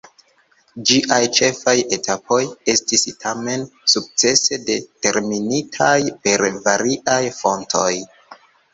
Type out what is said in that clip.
Ĝiaj ĉefaj etapoj estis tamen sukcese determinitaj per variaj fontoj.